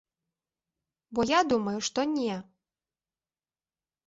Бо я думаю, што не!